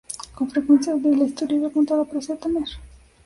Con frecuencia la historia era contada para hacer temer.